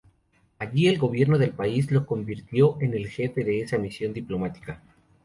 Allí, el Gobierno del país lo convirtió en el jefe de esa misión diplomática.